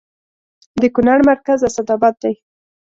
د کونړ مرکز اسداباد دی